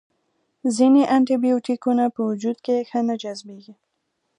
ځینې انټي بیوټیکونه په وجود کې ښه نه جذبیږي.